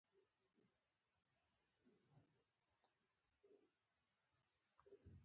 مریدانو یې د ښرا او زور تبليغ کاوه.